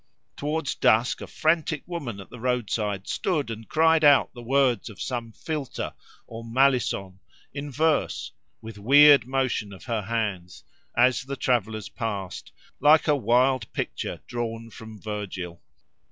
Towards dusk, a frantic woman at the roadside, stood and cried out the words of some philter, or malison, in verse, with weird motion of her hands, as the travellers passed, like a wild picture drawn from Virgil.